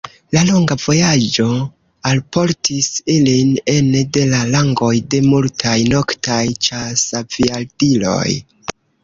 La longa vojaĝo alportis ilin ene de la rangoj de multaj noktaj ĉasaviadiloj.